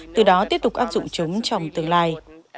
từ đó tiếp tục áp dụng chúng trong tương lai